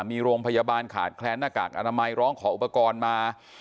มีโรงพยาบาลขาดแคลนหน้ากากอนามัยร้องขออุปกรณ์มา